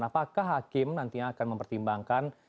apakah hakim nantinya akan mempertimbangkan